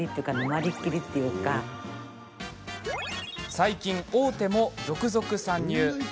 最近、大手も続々参入。